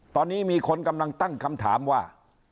ตอนนี้มีคนกำลังตั้งคำถามว่า